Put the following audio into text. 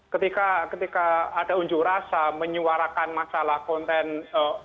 ketika ada unjuk rasa menyuarakan masalah konten